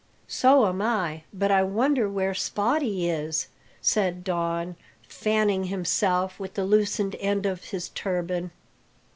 "So am I. But I wonder where Spottie is?" said Don, fanning himself with the loosened end of his turban.